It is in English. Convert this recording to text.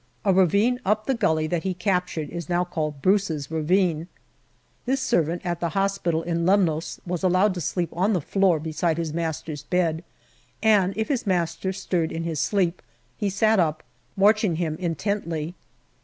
A ravine up the gully that he captured is now called Brace's Ravine. This servant at the hospital in Lemnos was allowed to sleep on the floor beside his master's bed, and if his master stirred in his sleep, he sat up watching him intently.